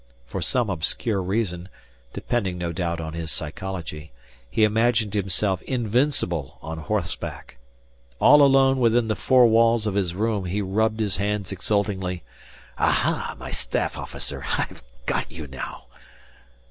For some obscure reason, depending, no doubt, on his psychology, he imagined himself invincible on horseback. All alone within the four walls of his room he rubbed his hands exultingly. "Aha! my staff officer, I've got you now!"